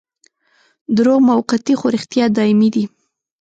دروغ موقتي خو رښتیا دايمي دي.